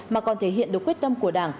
mà còn thể hiện được quyết tâm của đảng